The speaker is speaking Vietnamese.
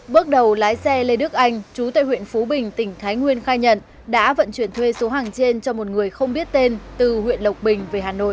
bước đầu lái xe lê đức anh chú tại huyện phú bình tỉnh thái nguyên khai nhận đã vận chuyển thuê số hàng trên cho một người không biết tên từ huyện lộc bình về hà nội